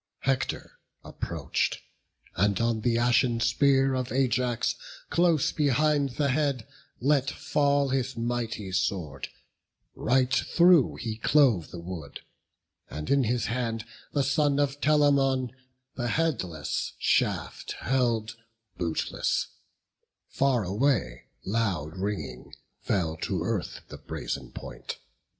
Hector approach'd, and on the ashen spear Of Ajax, close behind the head, let fall His mighty sword; right through he clove the wood; And in his hand the son of Telamon The headless shaft held bootless; far away, Loud ringing, fell to earth the brazen point.